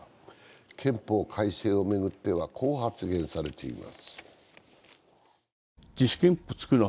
憲法改正を巡ってはこう発言されています。